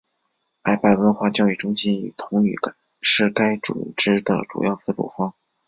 爱白文化教育中心与同语是该组织的主要资助方。